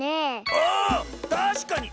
あたしかに！